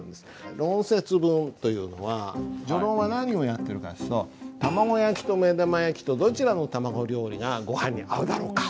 論説文というのは序論は何をやってるかっていうと「卵焼きと目玉焼き、どちらの卵料理がごはんに合うだろうか？」。